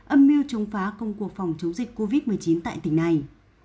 âm mưu chống phá công cuộc phòng chống dịch covid một mươi chín tại tỉnh này